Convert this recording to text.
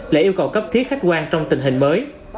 là yêu cầu cấp thiết khách quan trong tình hình mới